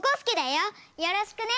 よろしくね。